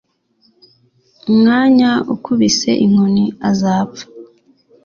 umwanya akubise inkoni azapfa